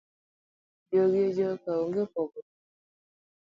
Jogi e joka onge pogruok.